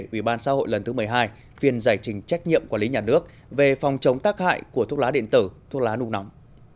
ủy ban xã hội lần thứ một mươi hai phiên giải trình trách nhiệm quản lý nhà nước về phòng chống tác hại của thuốc lá điện tử thuốc lá nung nóng